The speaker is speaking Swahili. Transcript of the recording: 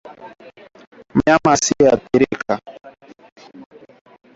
Mnyama asiyeathirika